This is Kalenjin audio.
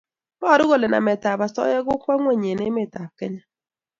paru kole namet ab asoya ko kokwo ngweny eng emet ab kenya